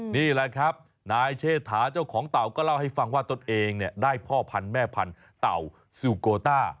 นี่แหละครับนายเชษฐาเจ้าของเต่าก็เล่าให้ฟังว่าตนเองได้พ่อพันธุ์แม่พันธุ์เต่าซูโกต้า